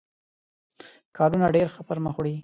کارونه ډېر ښه پر مخ وړي.